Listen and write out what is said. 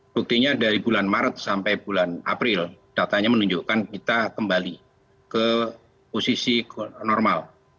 buktinya dari bulan maret sampai bulan april datanya menunjukkan kita kembali ke posisi normal